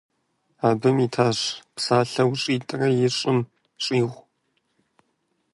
Абы итащ псалъэу щитӏрэ ищӏым щӏигъу.